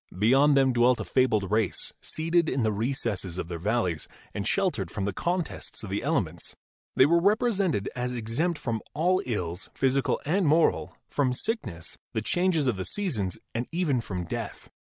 Beyond them dwelt a fabled race, seated in the recesses of their valleys and sheltered from the contests of the ele ments. They were represented as exempt from all ills, physical and moral, from sickness, the changes of the seasons and even from death.